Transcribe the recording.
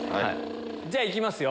じゃいきますよ